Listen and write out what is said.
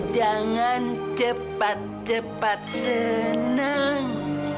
jangan cepat cepat seneng